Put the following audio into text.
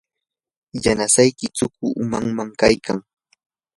yanasayki suqu umanam kaykan.